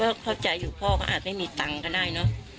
ก็เข้าใจอยู่พ่อก็อาจไม่มีตังค์ก็ได้เนอะ